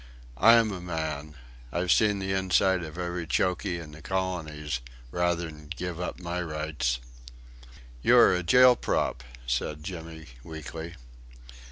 "I am a man. I've seen the inside of every chokey in the Colonies rather'n give up my rights...." "You are a jail prop," said Jimmy, weakly.